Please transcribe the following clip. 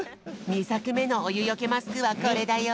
２さくめのおゆよけマスクはこれだよ。